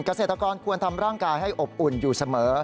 เกษตรกรควรทำร่างกายให้อบอุ่นอยู่เสมอ